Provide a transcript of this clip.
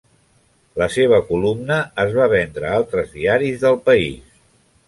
La seva columna es va vendre a altres diaris del país.